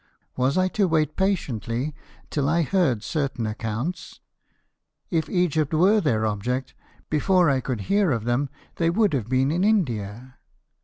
Was I to wait patiently until I heard certain accounts ? If Egypt were their object, before I could hear of them they would have been in India.